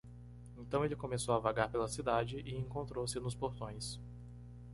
Então ele começou a vagar pela cidade? e encontrou-se nos portões.